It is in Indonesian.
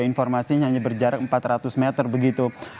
informasinya hanya berjarak empat ratus meter begitu